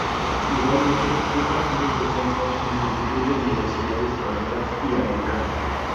Igualmente ha impartido docencia en multitud de universidades españolas y americanas.